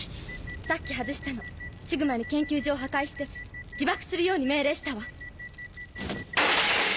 さっき外したのシグマに研究所を破壊して自爆するように命令したわ。